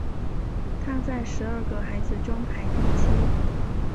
他在十二个孩子中排第七。